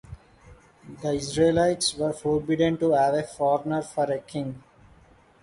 The Israelites were forbidden to have a foreigner for a king.